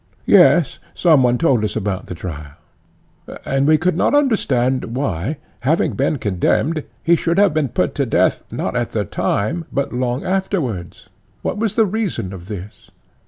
ECHECRATES: Yes; some one told us about the trial, and we could not understand why, having been condemned, he should have been put to death, not at the time, but long afterwards. What was the reason of this?